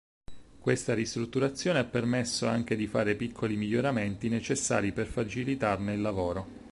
Questa ristrutturazione ha permesso anche di fare piccoli miglioramenti, necessari per facilitarne il lavoro.